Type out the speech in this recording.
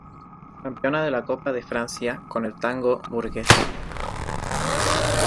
Campeona de la Copa de Francia con el Tango Bourges.